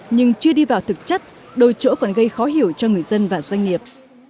nhưng chưa đi vào thực chất đôi chỗ còn gây khó hiểu cho người dân và doanh nghiệp